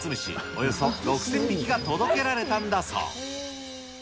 およそ６０００匹が届けられたんだそう。